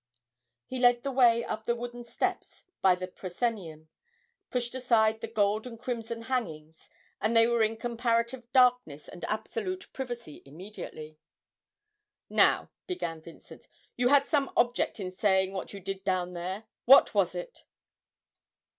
He led the way up the wooden steps by the proscenium, pushed aside the gold and crimson hangings, and they were in comparative darkness and absolute privacy immediately. 'Now,' began Vincent, 'you had some object in saying what you did down there. What was it?'